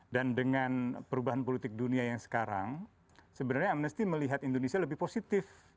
dan dengan perubahan politik dunia yang sekarang sebenarnya amnesty melihat indonesia lebih positif